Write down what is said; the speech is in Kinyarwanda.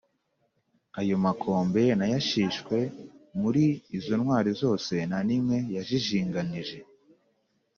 Ayo makombe ntayashishwe: Muri izo ntwari zose nta n’imwe yajijinganije